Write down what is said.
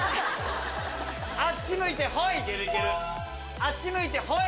あっち向いてホイ。